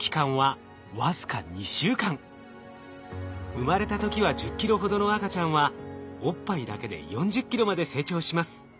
生まれた時は１０ｋｇほどの赤ちゃんはおっぱいだけで４０ｋｇまで成長します。